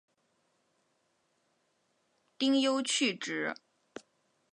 丁忧去职。